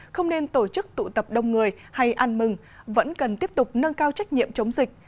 không nên tổ chức tụ tập đông người hay ăn mừng vẫn cần tiếp tục nâng cao trách nhiệm chống dịch